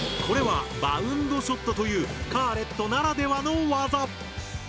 これはバウンドショットというカーレットならではの技！